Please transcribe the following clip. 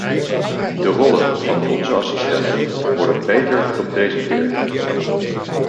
De rollen van onze assistenten worden beter gepresenteerd.